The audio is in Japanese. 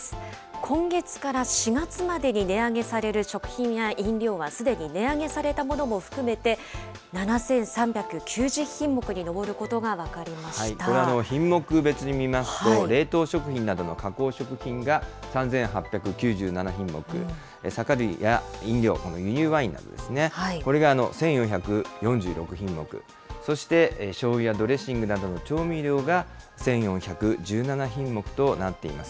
今月から４月までに値上げされる食品や飲料は、すでに値上げされたものも含めて７３９０品目に上ることが分かりこれ、品目別に見ますと、冷凍食品などの加工食品が３８９７品目、酒類や飲料、輸入ワインですね、これが１４４６品目、そしてしょうゆやドレッシングなどの調味料が１４１７品目となっています。